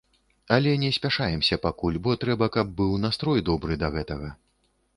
Але не спяшаемся пакуль, бо трэба, каб быў настрой добры да гэтага.